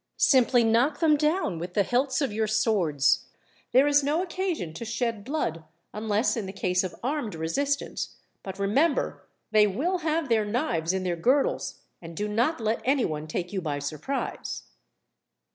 Simply knock them down with the hilts of your swords. There is no occasion to shed blood, unless in the case of armed resistance; but remember they will have their knives in their girdles, and do not let anyone take you by surprise."